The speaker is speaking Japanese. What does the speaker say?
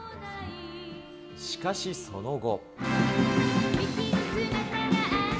しかしその後。